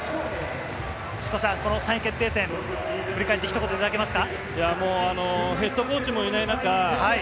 ３位決定戦を振り返って、ひと言いただけますか？